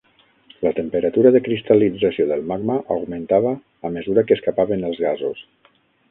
La temperatura de cristal·lització del magma augmentava a mesura que escapaven els gasos.